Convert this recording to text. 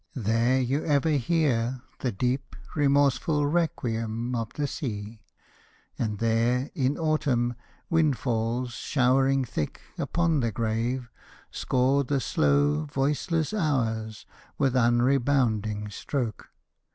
There you ever hear The deep, remorseful requiem of the sea; And there, in autumn, windfalls, showering thick Upon the grave, score the slow, voiceless hours With unrebounding stroke.